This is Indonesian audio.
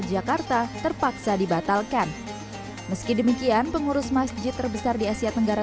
jakarta terpaksa dibatalkan meski demikian pengurus masjid terbesar di asia tenggara